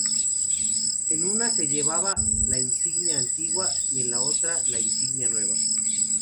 En una se llevaba la insignia antigua y en la otra la insignia nueva.